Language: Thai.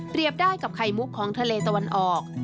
ได้กับไข่มุกของทะเลตะวันออก